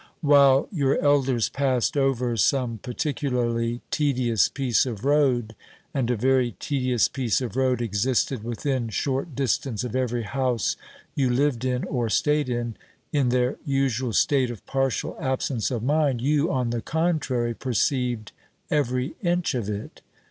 While your elders passed over some particularly tedious piece of road and a very tedious piece of road existed within short distance of every house you lived in or stayed in in their usual state of partial absence of mind, you, on the contrary, perceived every inch of it.